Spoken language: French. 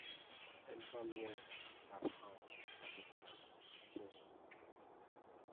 Elle va loin, la France, avec ça, tiens.